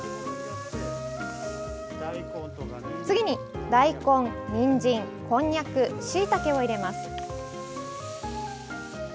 次に大根、にんじんこんにゃく、しいたけを入れます。